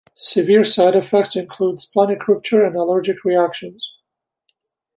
Severe side effects include splenic rupture and allergic reactions.